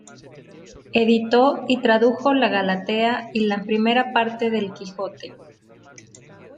Editó y tradujo la "Galatea" y la primera parte del "Quijote".